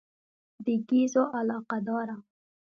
د ګېزو علاقه داره.